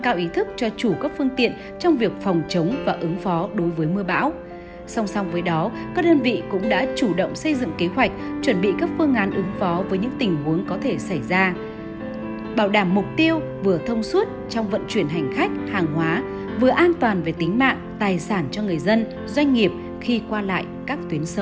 các đơn vị cũng đã chủ động xây dựng kế hoạch chuẩn bị các phương án ứng phó với những tình huống có thể xảy ra